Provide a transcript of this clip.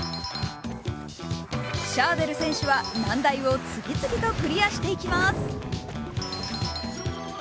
シャーデル選手は難題を次々とクリアしていきます。